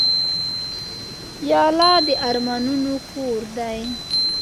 پیاله د ارمانونو کور دی.